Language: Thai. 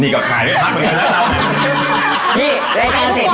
นี่ก็ขายไม่ผัดมันคือแรง